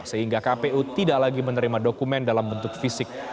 sehingga kpu tidak lagi menerima dokumen dalam bentuk fisik